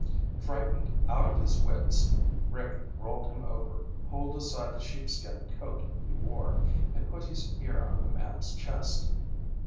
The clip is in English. Frightened out of his wits, Rick rolled him over, pulled aside the sheepskin coat he wore and put his ear on the man's chest.